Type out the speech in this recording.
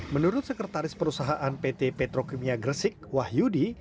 menurut sekretaris perusahaan pt petrokimia gresik wahyudi